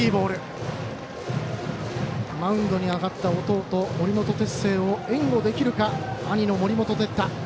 マウンドにあがった弟、森本哲星を援護できるか、兄の森本哲太。